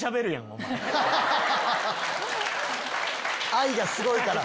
愛がすごいから。